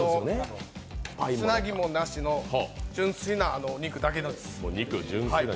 つなぎもなしの純粋な肉だけのやつです。